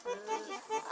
あ。